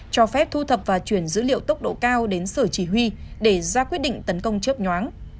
cho phép thu thập và chuyển dữ liệu tốc độ cao đến sở chỉ huy để ra quyết định tấn công chớp nhoáng